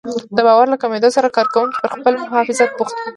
د باور له کمېدو سره کار کوونکي پر خپل محافظت بوخت وي.